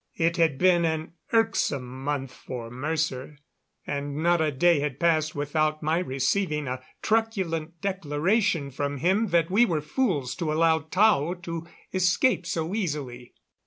It had been an irksome month for Mercer, and not a day had passed without my receiving a truculent declaration from him that we were fools to allow Tao to escape so easily.